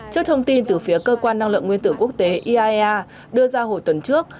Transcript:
trước thông tin từ phía cơ quan năng lượng nguyên tử quốc tế iaea đưa ra hồi tuần trước